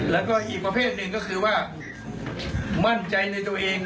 แล้วก็อีกประเภทหนึ่งก็คือว่ามั่นใจในตัวเอง